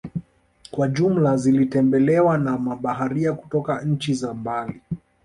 kwa jumla zilitembelewa na mabaharia kutoka nchi za mbali